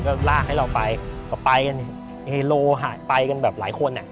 ก็ลากให้เราไปก็ไปกันเฮโลหายไปกันแบบหลายคนอ่ะ